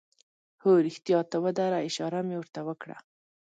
هو، رښتیا ته ودره، اشاره مې ور ته وکړه.